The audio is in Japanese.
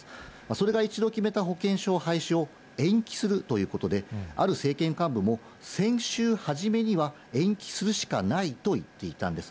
それが一度決めた保険証廃止を延期するということで、ある政権幹部も、先週初めには延期するしかないと言っていたんです。